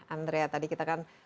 andrea tadi kita kan